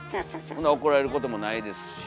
ほんだら怒られることもないですし。